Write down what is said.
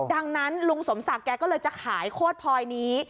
ดังนั้นลุงสมศักดิ์แกก็เลยจะขายโคตรพลอยนี้